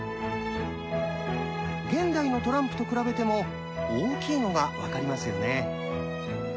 現代のトランプと比べても大きいのが分かりますよね。